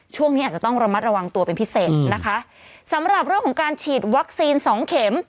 ช่วงนี้อาจจะต้องระมัดระวังตัวเป็นพิเศษนะคะสำหรับเรื่องของการฉีดวัคซีนสองเข็ม